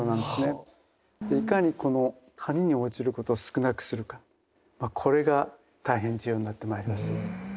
いかにこの谷に落ちることを少なくするかこれが大変重要になってまいります。